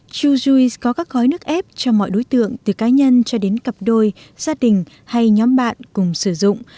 chujuice có các gói nước ép cho mọi đối tượng từ cá nhân cho đến cặp đôi gia đình hay nhóm bạn cùng sử dụng